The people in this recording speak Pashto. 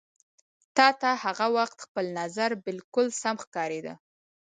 تا ته هغه وخت خپل نظر بالکل سم ښکارېده.